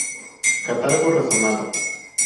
Catálogo razonado".